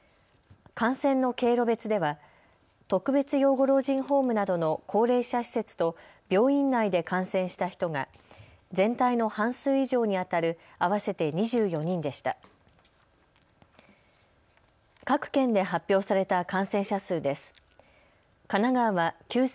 感染の経路別では特別養護老人ホームなどの高齢者施設と病院内で感染した人が全体の半数以上にあたる合わせて２４人でした。